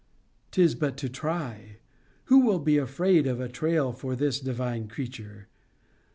'Tis but to try. Who will be afraid of a trail for this divine creature?